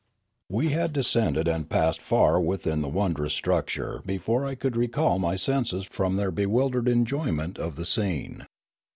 We had descended and passed far within the won drous structure before I could recall my senses from their bewildered enjoyment of the scene.